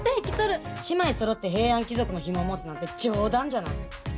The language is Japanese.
姉妹そろって平安貴族のヒモを持つなんて冗談じゃない！